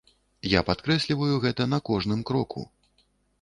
Я падкрэсліваю гэта на кожным кроку!